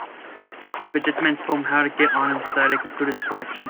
Betjeman's poem "How to Get on in Society" concluded the collection.